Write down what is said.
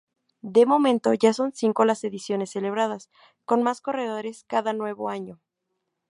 De momento ya son cinco las ediciones celebradas, con más corredores cada nuevo año.